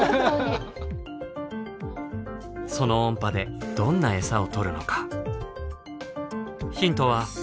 その音波でどんな餌を捕るのか？